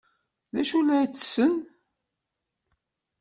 D acu ay la ttessen?